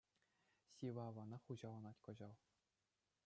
Сивӗ аванах хуҫаланать кӑҫал.